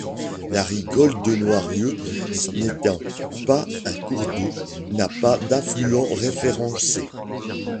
La Rigole de Noirieux, n'étant pas un cours d'eau, n'a pas d'affluent référencé.